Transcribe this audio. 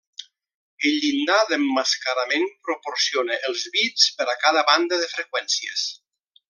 El llindar d'emmascarament proporciona els bits per a cada banda de freqüències.